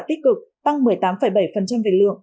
tích cực tăng một mươi tám bảy về lượng